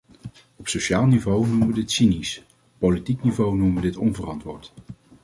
Op sociaal niveau noemen we dit cynisch; op politiek niveau noemen we dit onverantwoord.